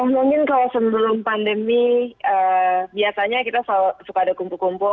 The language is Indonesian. mungkin kalau sebelum pandemi biasanya kita suka ada kumpul kumpul